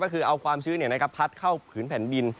ก็คือเอาความชื้นเนี่ยนะครับพัดเข้าพื้นแผ่นดิน